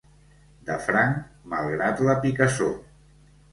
De franc, malgrat la picassor.